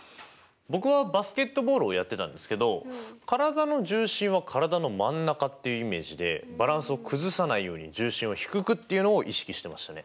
僕はバスケットボールをやってたんですけど体の重心は体の真ん中っていうイメージでバランスを崩さないように重心を低くっていうのを意識してましたね。